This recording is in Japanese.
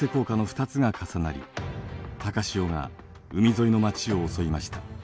高潮が海沿いの街を襲いました。